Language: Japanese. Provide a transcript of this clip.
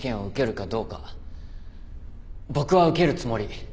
僕は受けるつもり。